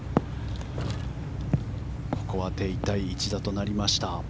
ここは手痛い一打となりました。